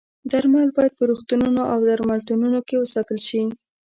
درمل باید په روغتونونو او درملتونونو کې وساتل شي.